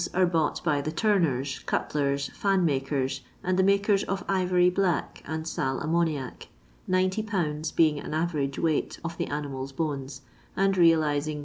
bonei are boagbt by the tarnen, cutlers, fan makers, and the mnkers of ivory black and sal ammoniac, 00 lbs. being an average weight of the animal's bones, and realizing 2«.